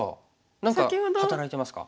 何か働いてますか。